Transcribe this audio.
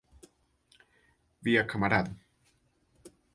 Via kamarado.